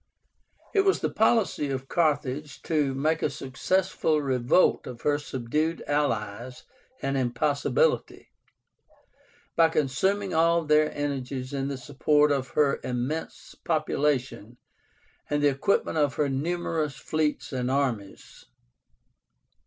It was the policy of Carthage to make a successful revolt of her subdued allies an impossibility, by consuming all their energies in the support of her immense population and the equipment of her numerous fleets and armies.